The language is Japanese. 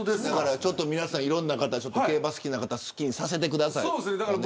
皆さんいろんな方、競馬好きな方好きにさせてください。